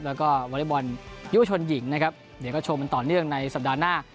แล้วก็วอเล็กบอลยุวชนหญิงนะครับเดี๋ยวก็ชมกันต่อเนื่องในสัปดาห์หน้า